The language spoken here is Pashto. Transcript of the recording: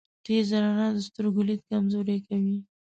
تیزه رڼا د سترګو لید کمزوری کوی.